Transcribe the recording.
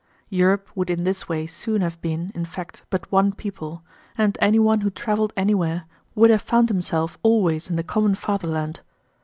Europe would in this way soon have been, in fact, but one people, and anyone who traveled anywhere would have found himself always in the common fatherland.